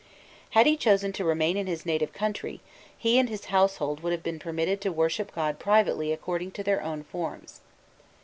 Had he chosen to remain in his native country, he and his household would have been permitted to worship God privately according to their own forms.